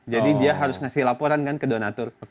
jadi dia harus ngasih laporan kan ke donatur